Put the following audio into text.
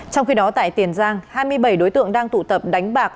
trong khi đó tại tiền giang hai mươi bảy đối tượng đang tụ tập đánh bạc